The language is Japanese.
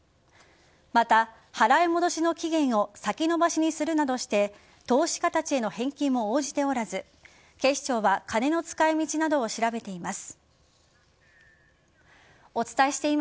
また、払い戻しの期限を先延ばしにするなどして投資家たちへの返金も応じておらず警視庁は金の使い道などを調べています。